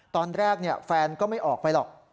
ตอนแรกแฟนก็ไม่ออกไปหรอก